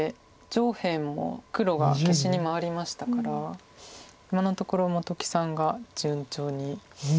上辺も黒が消しに回りましたから今のところ本木さんが順調に打ち回していて。